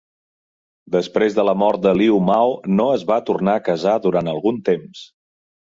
Després de la mort de Liu Mao, no es va tornar a casar durant algun temps.